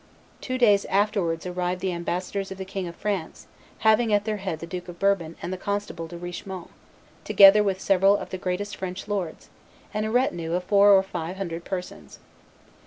Two days afterwards arrived the ambassadors of the King of France, having at their head the Duke of Bourbon and the constable De Richemont, together with several of the greatest French lords, and a retinue of four or five hundred persons.